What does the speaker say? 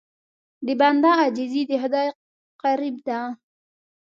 د بنده عاجزي د خدای قرب ده.